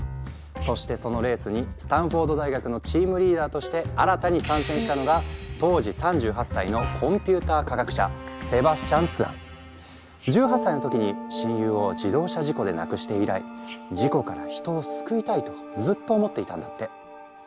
そしてそのレースにスタンフォード大学のチームリーダーとして新たに参戦したのが当時３８歳の１８歳の時に親友を自動車事故で亡くして以来事故から人を救いたいとずっと思っていたんだって。